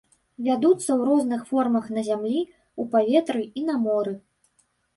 Вядуцца ў розных формах на зямлі, у паветры і на моры.